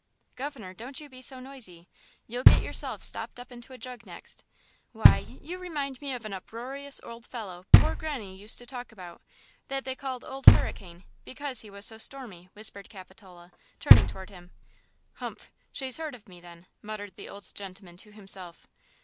"Governor, don't you be so noisy! You'll get yourself stopped up into a jug next! Why, you remind me of an uproarious old fellow poor Granny used to talk about, that they called Old Hurricane, because he was so stormy!" whispered Capitola, turning toward him. "Humph! she's heard of me, then!" muttered the old gentleman to himself.